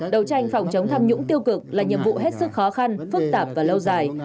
đấu tranh phòng chống tham nhũng tiêu cực là nhiệm vụ hết sức khó khăn phức tạp và lâu dài